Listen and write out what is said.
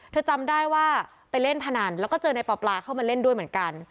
จำได้ว่าไปเล่นพนันแล้วก็เจอในปอปลาเข้ามาเล่นด้วยเหมือนกัน